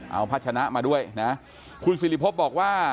เอาพัชนะมาด้วยนะคุณสิริพบบอกว่า